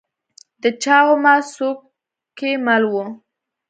د چا ومه؟ څوک کې مل وه ؟